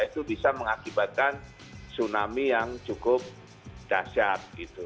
itu bisa mengakibatkan tsunami yang cukup dahsyat